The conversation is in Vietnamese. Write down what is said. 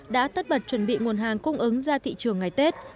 đã tất bật chuẩn bị nguồn hàng cung ứng ra thị trường ngày tết